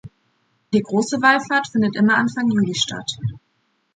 Die große Wallfahrt findet immer Anfang Juli statt.